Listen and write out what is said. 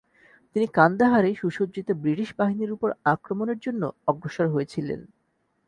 তিনি কান্দাহারে সুসজ্জিত ব্রিটিশ বাহিনীর উপর আক্রমণের জন্য অগ্রসর হয়েছিলেন।